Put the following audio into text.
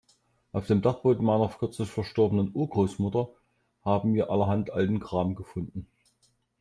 Auf dem Dachboden meiner kürzlich verstorbenen Urgroßmutter haben wir allerhand alten Kram gefunden.